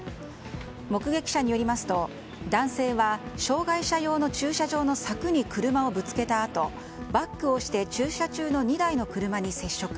目撃者によりますと男性は、障害者用の駐車場の柵に車をぶつけたあとバックをして駐車中の２台の車に接触。